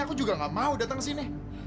aku juga gak mau datang kesini